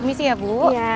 pemisi ya bu